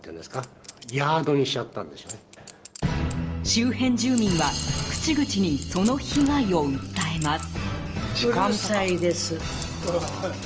周辺住民は口々にその被害を訴えます。